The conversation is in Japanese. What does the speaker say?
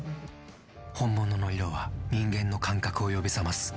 本物の色は人間の感覚を呼び覚ます。